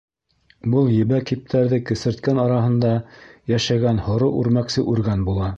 Был ебәк ептәрҙе кесерткән араһында йәшәгән һоро үрмәксе үргән була.